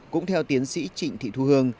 cũng theo tiến sĩ trịnh thị thu hương